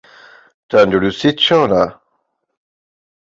تەندروستیت چۆنە؟